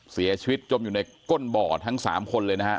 เสียชีวิตจมอยู่ในก้นบ่อทั้งสามคนเลยนะฮะ